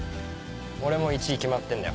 俺もう１位決まってんだよ。